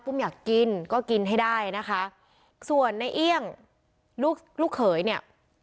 อยากกินก็กินให้ได้นะคะส่วนในเอี่ยงลูกลูกเขยเนี่ย